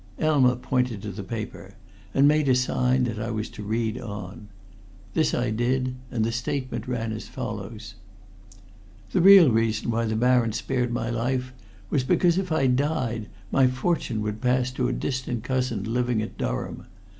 Elma pointed to the paper, and made a sign that I was to read on. This I did, and the statement ran as follows: "The real reason why the Baron spared my life was because, if I died, my fortune would pass to a distant cousin living at Durham.